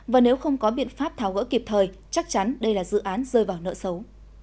và nếu không có biện pháp tháo gỡ kịp thời chắc chắn đây là dự án rơi vào nợ xấu